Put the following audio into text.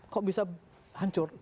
kok bisa hancur